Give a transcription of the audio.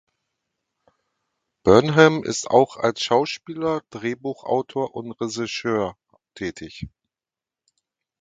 Burnham ist auch als Schauspieler, Drehbuchautor und Regisseur tätig.